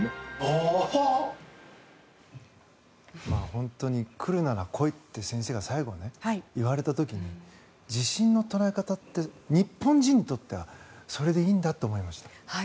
本当に来るなら来いって先生が最後、言われた時に地震の捉え方って日本人にとってはそれでいいんだって思いました。